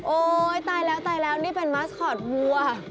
โอ๊ยตายแล้วนี่เป็นมัสคอตวัว